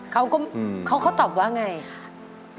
เขาก็เขาตอบว่าอย่างไร